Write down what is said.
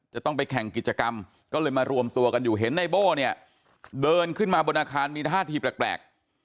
จะต้องไปแข่งกิจกรรมก็เลยมารวมตัวกันอยู่เห็นในโบ้เนี่ยเดินขึ้นมาบนอาคารมีท่าทีแปลก